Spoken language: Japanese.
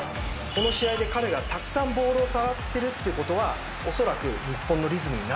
この試合で彼がたくさんボールを触ってるってことはおそらく日本のリズムになってるってこと。